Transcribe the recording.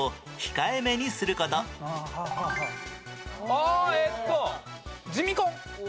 ああえっと地味婚。